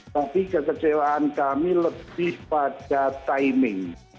tapi kekecewaan kami lebih pada timing